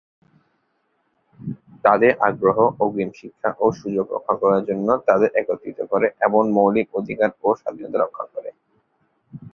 তাদের আগ্রহ, অগ্রিম শিক্ষা ও সুযোগ রক্ষা করার জন্য তাদের একত্রিত করে এবং মৌলিক অধিকার ও স্বাধীনতা রক্ষা করে।